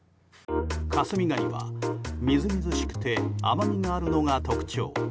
香住ガニは、みずみずしくて甘みがあるのが特徴。